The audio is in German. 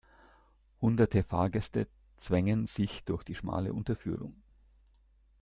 Hunderte Fahrgäste zwängen sich durch die schmale Unterführung.